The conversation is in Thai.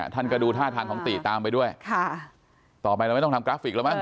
ท่านก็ดูท่าทางของติตามไปด้วยค่ะต่อไปเราไม่ต้องทำกราฟิกแล้วมั้